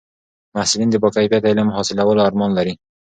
محصلین د با کیفیته علم حاصلولو ارمان لري.